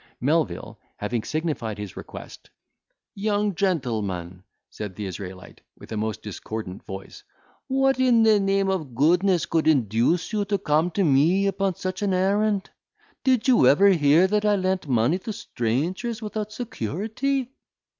Melvil, having signified his request, "Young gentleman," said the Israelite, with a most discordant voice, "what in the name of goodness could induce you to come to me upon such an errand? Did you ever hear that I lent money to strangers without security?"